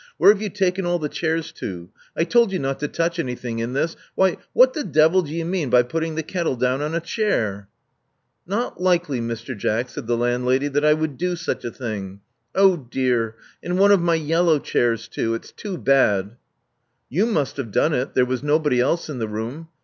Where have you taken all the chairs to? I told you not to touch anything in this — ^why, what the devil do you mean by putting the kettle down on a chair?" Not likely, Mr. Jack," said the landlady, "that I would do such a thing. Oh dear! and one of my yellow chairs too. It's too bad." *'You must have done it: there was nobody else in the room.